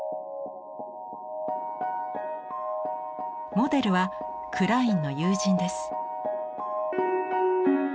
モデルはクラインの友人です。